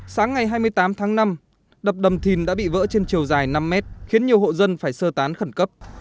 sáng ngày hai mươi tám tháng năm đập đầm thìn đã bị vỡ trên chiều dài năm mét khiến nhiều hộ dân phải sơ tán khẩn cấp